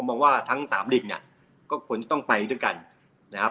มองว่าทั้งสามลิกเนี่ยก็ควรจะต้องไปด้วยกันนะครับ